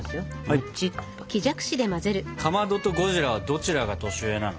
かまどとゴジラはどちらが年上なの？